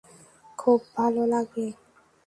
খুব ভালো লাগে।